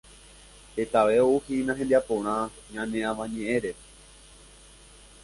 Hetave ouhína hembiaporã ñane Avañeʼẽre.